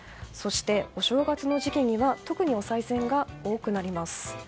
そしてお正月の時期には特にお賽銭が多くなります。